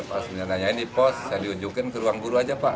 pas nanya nanya di pos saya diunjukin ke ruang guru saja pak